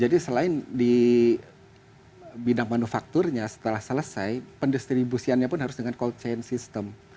selain di bidang manufakturnya setelah selesai pendistribusiannya pun harus dengan cold chain system